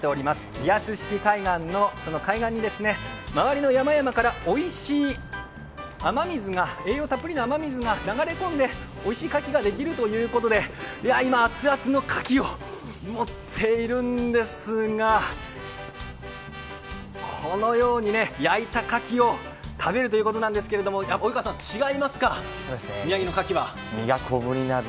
リアス式海岸の海岸に周りの山々からおいしい栄養たっぷりの雨水が流れ込んでおいしいかきができるということで、今、熱々のかきを持っているんですが、このようにね、焼いたかきを食べるということなんですが、及川さん、宮城のかきは違いますか？